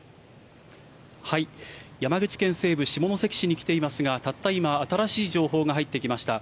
山口県西部、下関市に来ていますが、たった今、新しい情報が入ってきました。